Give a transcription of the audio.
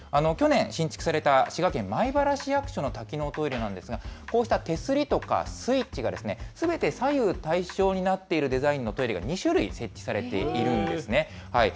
去年新築された滋賀県米原市役所の多機能トイレなんですけれども、こうした手すりとか、スイッチがすべて左右対称になっているデザインのトイレが２種類設置されているんですね。